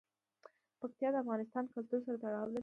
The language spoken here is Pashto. پکتیا د افغان کلتور سره تړاو لري.